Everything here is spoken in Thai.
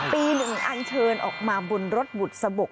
ปี๑อันเชิญออกมาบนรถบุตรสะบก